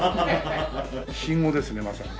信号ですねまさに。